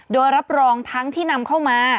โดยรับรองทั้งที่นำเข้ามา